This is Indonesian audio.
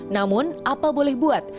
namun apa boleh buat